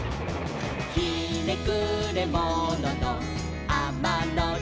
「ひねくれもののあまのじゃく」